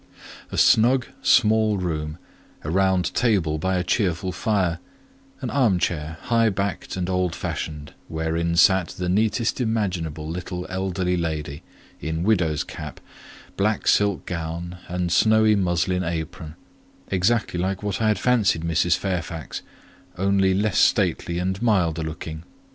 A snug small room; a round table by a cheerful fire; an arm chair high backed and old fashioned, wherein sat the neatest imaginable little elderly lady, in widow's cap, black silk gown, and snowy muslin apron; exactly like what I had fancied Mrs. Fairfax, only less stately and milder looking.